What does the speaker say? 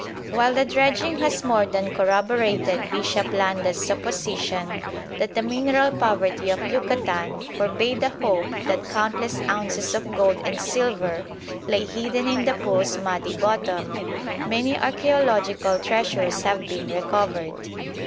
While the dredging has more than corroborated Bishop Landa's supposition that the mineral poverty of Yucatan forbade the hope that countless ounces of gold and silver lay hidden in the pool's muddy bottom, many archæological treasures have been recovered.